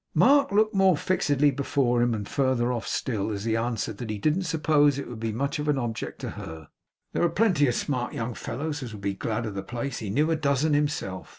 Mark looked more fixedly before him, and further off still, as he answered that he didn't suppose it would be much of an object to her. There were plenty of smart young fellows as would be glad of the place. He knew a dozen himself.